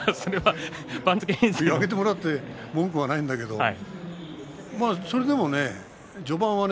上げてもらって文句はないんだけどそれでもやっぱりね